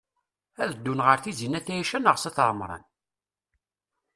Ad ddun ɣer Tizi n at Ɛica neɣ s at Ɛemṛan?